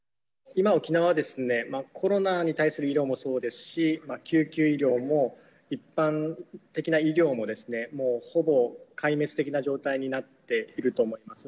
今、沖縄は、コロナに対する医療もそうですし、救急医療も一般的な医療も、もうほぼ壊滅的な状態になっていると思います。